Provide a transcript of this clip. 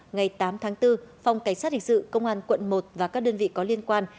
ngày tám tháng bốn phòng cảnh sát hình sự công an quận một và các đơn vị có liên quan